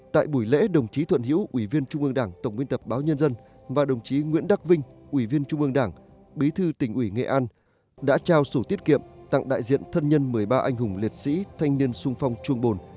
tại buổi lễ đồng chí thuận hiễu ủy viên trung ương đảng tổng biên tập báo nhân dân và đồng chí nguyễn đắc vinh ủy viên trung ương đảng bí thư tỉnh ủy nghệ an đã trao sổ tiết kiệm tặng đại diện thân nhân một mươi ba anh hùng liệt sĩ thanh niên sung phong chuông bồn